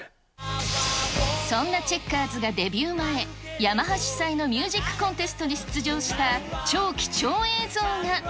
そんなチェッカーズがデビュー前、ヤマハ主催のミュージックコンテストに出場した超貴重映像